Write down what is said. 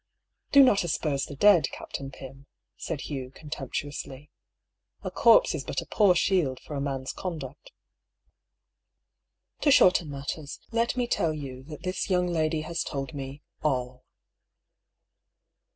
" Do not asperse the dead. Captain Pym,'* said Hugh, contemptuously. " A corpse is but a poor shield for a man's conduct. To shorten matters, let me tell you that this young lady has told me — all."